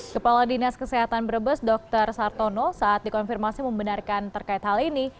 kepala dinas kesehatan brebes dr sartono saat dikonfirmasi membenarkan terkait hal ini